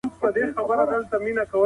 شرقي او غربي ټولنې بېل ارزښتونه لري.